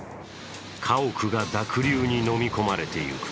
家屋が濁流にのみ込まれていく。